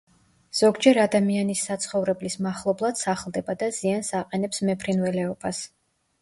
ზოგჯერ ადამიანის საცხოვრებლის მახლობლად სახლდება და ზიანს აყენებს მეფრინველეობას.